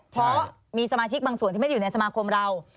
เพราะมีสมาชิกบางส่วนที่ไม่ได้อยู่ในสมาคมเรา